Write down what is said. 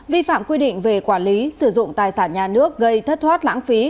vi phạm quy định về quản lý sử dụng tài sản nhà nước gây thất thoát lãng phí